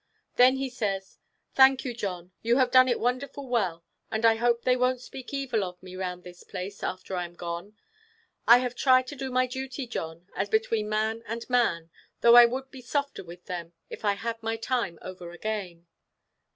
Then he says, 'Thank you, John, you have done it wonderful well, and I hope they won't speak evil of me round this place, after I am gone. I have tried to do my duty, John, as between man and man: though I would be softer with them, if I had my time over again.